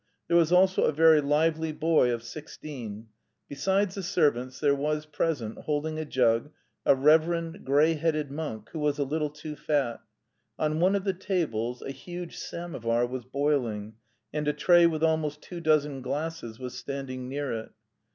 There was also a very lively boy of sixteen. Besides the servants there was present, holding a jug, a reverend, grey headed monk, who was a little too fat. On one of the tables a huge samovar was boiling, and a tray with almost two dozen glasses was standing near it.